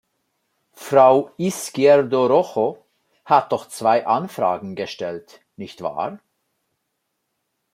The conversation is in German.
Frau Izquierdo Rojo hat doch zwei Anfragen gestellt, nicht wahr?